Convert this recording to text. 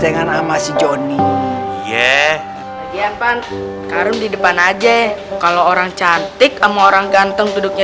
dengan amas johnny ye dia pancar di depan aja kalau orang cantik ama orang ganteng duduknya